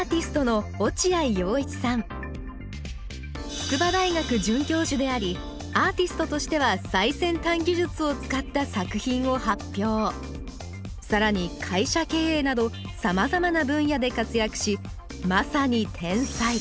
筑波大学准教授でありアーティストとしては更に会社経営などさまざまな分野で活躍しまさに天才。